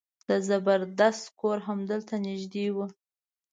د زبردست کور همدلته نژدې و.